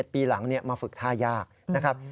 ปีหลังมาฝึกท่ายากนะครับ